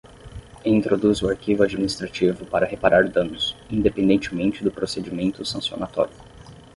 E introduz o arquivo administrativo para reparar danos, independentemente do procedimento sancionatório.